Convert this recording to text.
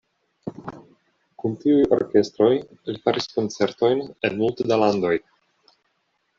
Kun tiuj orkestroj li faris koncertojn en multe da landoj.